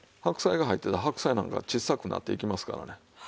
白菜が入ってたら白菜なんか小さくなっていきますからね。